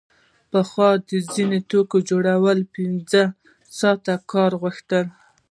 پخوا د ځینو توکو جوړول پنځه ساعته کار غوښت